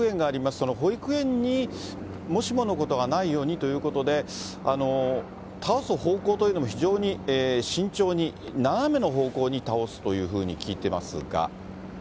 その保育園にもしものことがないようにということで、倒す方向というのも非常に慎重に、斜めの方向に倒すというふうに聞いていますが。